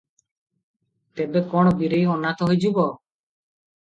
ତେବେ କଣ ବୀରେଇ ଅନାଥ ହୋଇଯିବ?